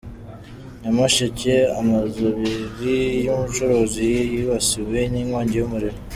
Nyamasheke : Amazu abiri y’ubucuruzi yibasiwe n’inkongi y’umuriro.